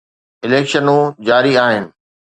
اليڪشنون جاري آهن.